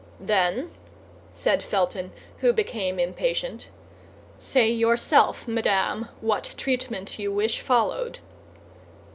"Then," said Felton, who became impatient, "say yourself, madame, what treatment you wish followed."